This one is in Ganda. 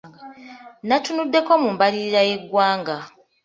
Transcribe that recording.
Nnatunuddeko mu mbalirira y’eggwanga.